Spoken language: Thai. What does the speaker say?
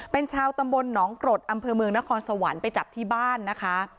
เป็นชาวตำบลหนองกรดอำเภอเมืองนครสวรรค์ไปจับที่บ้านนะคะ